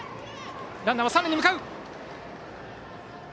ランナーは三塁へ向かう！